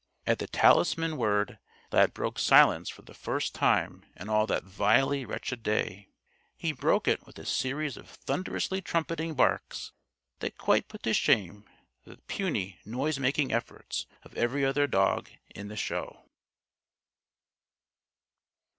At the talisman word, Lad broke silence for the first time in all that vilely wretched day. He broke it with a series of thunderously trumpeting barks that quite put to shame the puny noise making efforts of every other dog in the show.